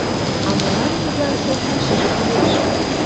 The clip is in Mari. А молан тудлан шорташыже кӱлеш?